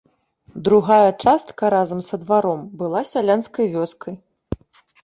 Другая частка разам са дваром была сялянскай вёскай.